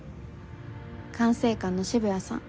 管制官の渋谷さん。